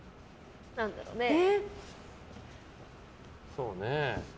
そうねえ。